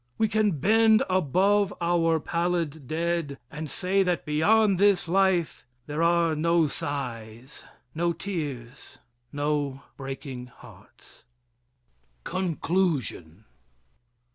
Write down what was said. We can bend above our pallid dead and say that beyond this life there are no sighs no tears no breaking hearts. CONCLUSION.